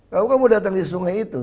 kamu kamu datang di sungai itu